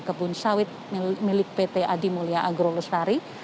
kebun sawit milik pt adimulya agro lestari